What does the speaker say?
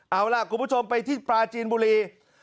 เอาล่ะคุณผู้ชมไปที่ปลาจีนบุรี